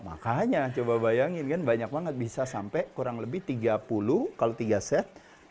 makanya coba bayangin kan banyak banget bisa sampai kurang lebih tiga puluh kalau tiga set